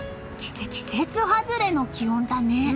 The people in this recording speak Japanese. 季節外れの気温だね。